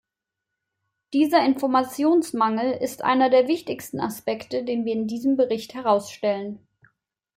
Dieser Informationsmangel ist einer der wichtigsten Aspekte, den wir in diesem Bericht herausstellen.